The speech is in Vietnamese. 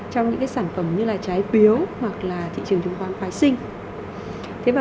trong những sản phẩm như trái phiếu hoặc thị trường chứng khoán khoái sinh